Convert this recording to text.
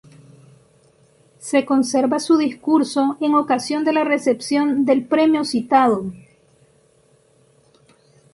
Se conserva su discurso en ocasión de la recepción del premio citado.